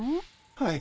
はい。